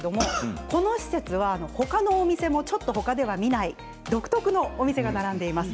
この施設は他の店も、ちょっと他では見ない独特の店が並んでいます。